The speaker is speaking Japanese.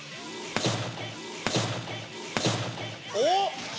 おっ！